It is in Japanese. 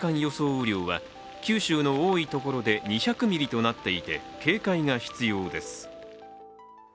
雨量は九州の多いところで２００ミリとなっていて警戒が必要です。